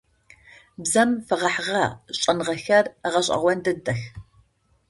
Бзэм фэгъэхьыгъэ шӏэныгъэхэр гъэшӏэгъон дэдэх.